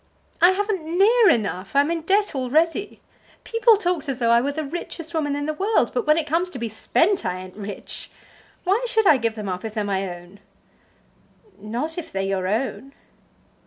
"I haven't near enough. I am in debt already. People talked as though I were the richest woman in the world; but when it comes to be spent, I ain't rich. Why should I give them up if they're my own?" "Not if they're your own."